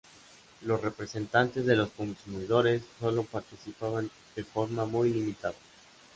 Los representantes de los consumidores solo participaban de forma muy limitada.